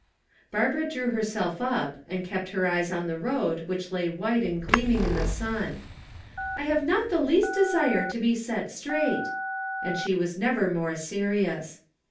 Barbara drew herself up and kept her eyes on the road which lay white and gleaming in the sun. "I have not the least desire to be set straight." And she was never more serious.